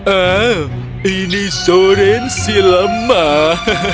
oh ini soren si lemah